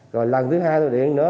rồi lần thứ hai tôi điện nữa